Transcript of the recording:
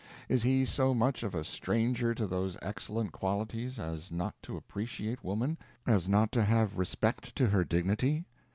Is he so much of a stranger to those excellent qualities as not to appreciate woman, as not to have respect to her dignity?